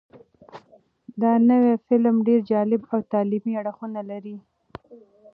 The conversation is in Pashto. دا نوی فلم ډېر جالب او تعلیمي اړخونه لري.